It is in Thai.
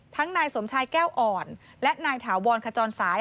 นายสมชายแก้วอ่อนและนายถาวรขจรสาย